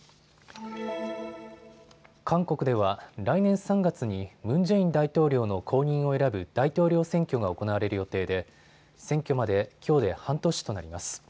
韓国では来年３月にムン・ジェイン大統領の後任を選ぶ大統領選挙が行われる予定で選挙まできょうで半年となります。